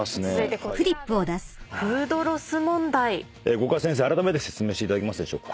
五箇先生説明していただけますでしょうか。